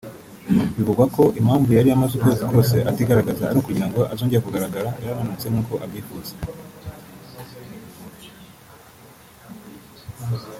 Bivugwa ko impamvu yari amaze ukwezi kwose atigaragaza ari ukugira ngo azongere kugaragara yarananutse nk’uko abyifuza